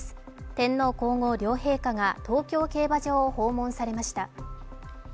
天皇皇后両陛下が両陛下が東京競馬場を訪問されました。